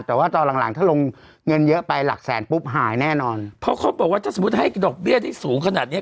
แต่ว่าตอนหลังหลังถ้าลงเงินเยอะไปหลักแสนปุ๊บหายแน่นอนเพราะเขาบอกว่าถ้าสมมุติให้ดอกเบี้ยที่สูงขนาดเนี้ย